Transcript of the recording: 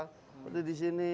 seperti di sini